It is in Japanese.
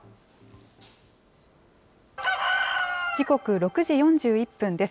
時刻、６時４１分です。